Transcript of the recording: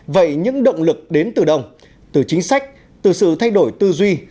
vậy những động lực đến từ đâu từ chính sách từ sự thay đổi tư duy